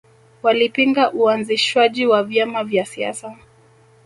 Walipinga uanzishwaji wa vyama vya siasa